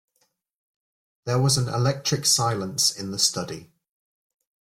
There was an electric silence in the study.